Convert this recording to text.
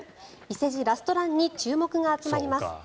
伊勢路ラストランに注目が集まります。